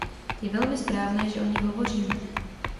Je velmi správně, že o nich hovoříme.